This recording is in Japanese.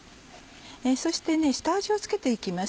そして下味を付けて行きます。